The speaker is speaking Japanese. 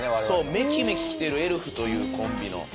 そうめきめききてる「エルフ」というコンビの。